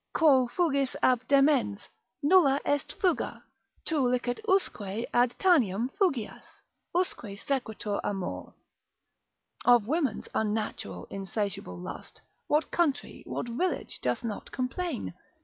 Quo fugis ab demens, nulla est fuga, tu licet usque Ad Tanaim fugias, usque sequetur amor. Of women's unnatural, insatiable lust, what country, what village doth not complain?